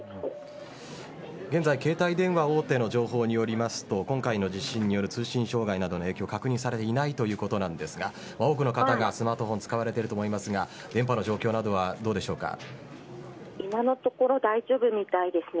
現在、携帯電話大手の情報によりますと今回の地震による通信障害の影響などは確認されていないということなんですが多くの方がスマートフォン使われていると思いますが今のところ大丈夫みたいですね。